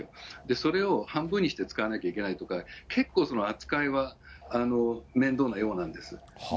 それを半分にして使わなくちゃいけないとか、結構その扱いは面倒なようなんです。